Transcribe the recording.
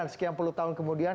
sekian puluh tahun kemudian